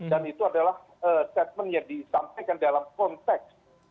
dan itu adalah statement yang disampaikan dalam konteks